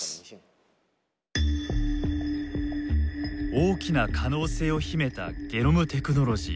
大きな可能性を秘めたゲノムテクノロジー。